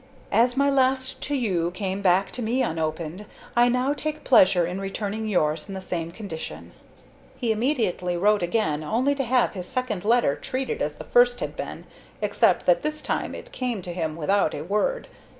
"As my last to you came back to me unopened, I now take pleasure in returning yours in the same condition." He immediately wrote again, only to have his second letter treated as the first had been, except that this time it came to him without a word.